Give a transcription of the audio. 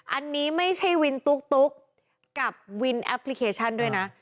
อันนี้ไม่ใช่วินตุ๊กกับวินแอปพลิเคชันด้วยนะ